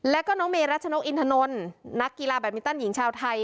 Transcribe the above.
แล้วก็น้องเมรัชนกอินทนนนักกีฬาแบตมินตันหญิงชาวไทย